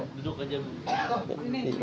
duduk saja bu